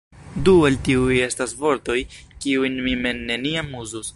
Du el tiuj estas vortoj, kiujn mi mem neniam uzus.